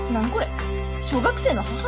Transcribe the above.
小学生の母の日？